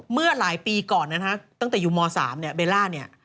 เมื่อหลายปีก่อนนะฮะตั้งแต่อยู่ม๓เนี่ยเบลล่าเนี่ย